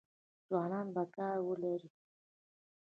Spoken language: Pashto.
ځوانان به کار ولري؟